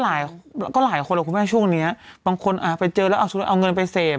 มันก็หลายคนครับคุณแม่ช่วงนี้บางคนไปเจอแล้วเอาเงินไปเสพ